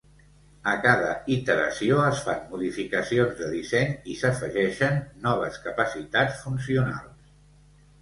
A cada iteració, es fan modificacions de disseny i s'afegeixen noves capacitats funcionals.